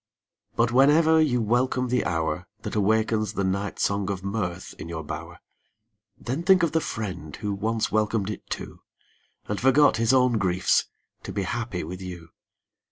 — but whenever you welcome the hour That awakens the night song of mirth in your bower, MOORE 34 T Then think of the friend who once welcomed it too, And forgot his own griefs to be happy with you.